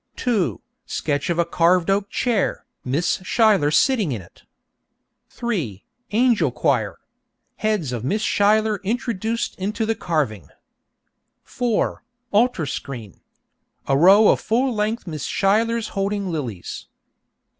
2. Sketch of a carved oak chair, Miss Schuyler sitting in it. 3. 'Angel choir.' Heads of Miss Schuyler introduced into the carving. 4. Altar screen. A row of full length Miss Schuylers holding lilies.